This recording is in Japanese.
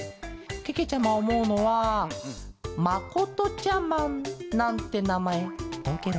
けけちゃまおもうのはまことちゃマンなんてなまえどうケロ？